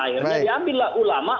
akhirnya diambillah ulama